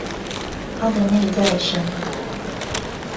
他的內在生活